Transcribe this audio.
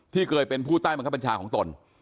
เคยเป็นผู้ใต้บังคับบัญชาของตน